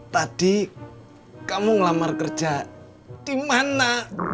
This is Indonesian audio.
tadi kamu ngelamar kerja di mana